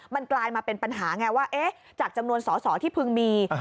มันกลายมาเป็นปัญหาไงว่าจากจำนวนสอสอที่พึงมี